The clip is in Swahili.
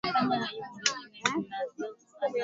Wanyama wanaoambukizwa ugonjwa wa kichaa hufa